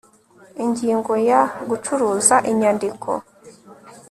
ingingo ya gucuruza inyandiko